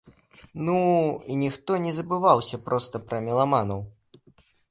Ну, і ніхто не забываўся проста пра меламанаў!